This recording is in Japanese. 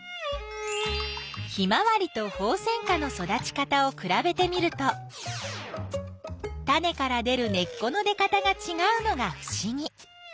ヒマワリとホウセンカの育ち方をくらべてみるとタネから出る根っこの出かたがちがうのがふしぎ。